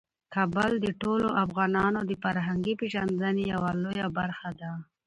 کابل د ټولو افغانانو د فرهنګي پیژندنې یوه لویه برخه ده.